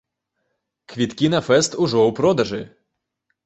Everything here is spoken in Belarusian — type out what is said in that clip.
Квіткі на фэст ужо ў продажы.